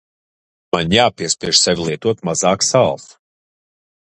Man jāpiespiež sevi lietot mazāk sāls.